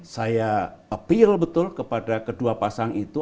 saya appeal betul kepada kedua pasang itu